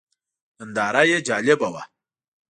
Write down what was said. ننداره یې جالبه وه.